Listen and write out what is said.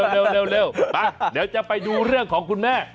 เร็วไปเดี๋ยวจะไปดูเรื่องของคุณแม่